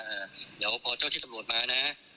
เดี๋ยวพอเจ้าที่ตำรวจมานะ